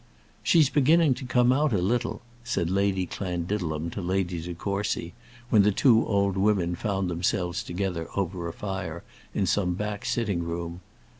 "She's beginning to come out a little," said Lady Clandidlem to Lady De Courcy, when the two old women found themselves together over a fire in some back sitting room.